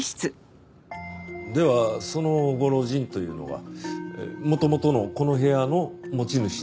ではそのご老人というのは元々のこの部屋の持ち主なんですね？